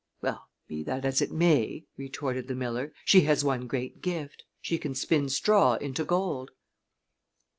"Well, be that as it may," retorted the miller, "she has one great gift. She can spin straw into gold."